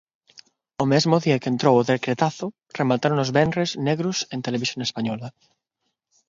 O mesmo día que entrou o decretazo, remataron os venres negros en Televisión Española.